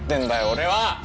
俺は！